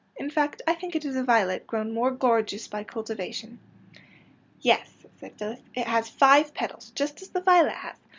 In fact, I think it is a violet grown more gorgeous by cultivation." '^ Yes," said Phyllis, ^^ it has five petals, just as the violet has.